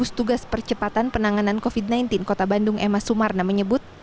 tugas percepatan penanganan covid sembilan belas kota bandung emma sumarna menyebut